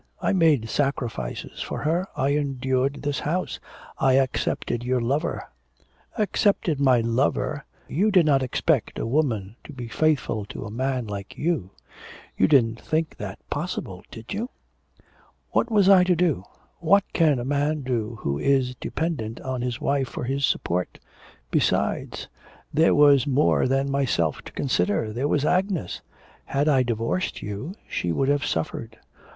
I made sacrifices for her; I endured this house; I accepted your lover.' 'Accepted my lover! You did not expect a woman to be faithful to a man like you.... You didn't think that possible, did you?' 'What was I to do; what can a man do who is dependent on his wife for his support? Besides, there was more than myself to consider, there was Agnes; had I divorced you she would have suffered.'